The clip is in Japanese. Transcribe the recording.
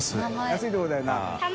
安いとこだよな。